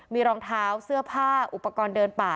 มีรองเท้าเสื้อผ้าอุปกรณ์เดินป่า